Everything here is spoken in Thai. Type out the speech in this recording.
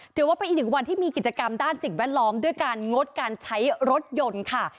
ถือว่าเป็นอีกหนึ่งวันที่มีกิจกรรมด้านสิ่งแวดล้อมด้วยการงดการใช้รถยนต์ค่ะ